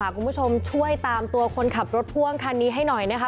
คุณผู้ชมช่วยตามตัวคนขับรถพ่วงคันนี้ให้หน่อยนะคะ